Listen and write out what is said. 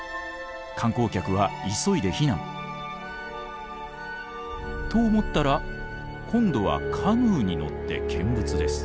観光客は急いで避難。と思ったら今度はカヌーに乗って見物です。